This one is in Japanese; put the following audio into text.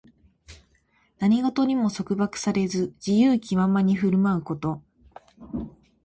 何事にも束縛されず、自由気ままに振る舞うこと。